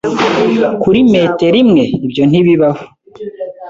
kuri metero imwe?ibyo ntibibaho